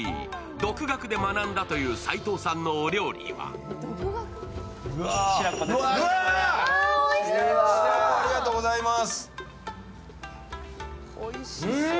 独学で学んだという齊藤さんのお料理は白子、ありがとうございます。